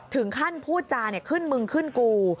ถึงขั้นพูดจาขึ้นมึงขึ้นกู